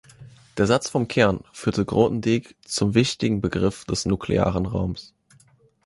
Der Satz vom Kern führte Grothendieck zum wichtigen Begriff des nuklearen Raums.